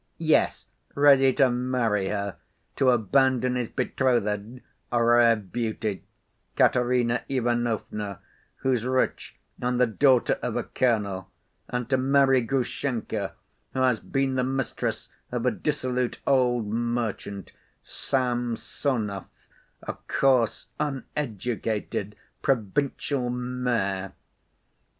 Yes, ready to marry her! to abandon his betrothed, a rare beauty, Katerina Ivanovna, who's rich, and the daughter of a colonel, and to marry Grushenka, who has been the mistress of a dissolute old merchant, Samsonov, a coarse, uneducated, provincial mayor.